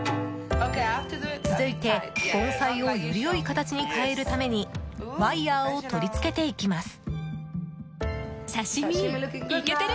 続いて盆栽をより良い形に変えるためにワイヤを取り付けていきます。